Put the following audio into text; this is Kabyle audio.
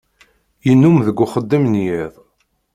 Yennum deg uxeddim n yiḍ